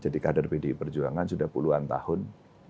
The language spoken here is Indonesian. jadi kader pdi perjuangan sudah puluhan tahun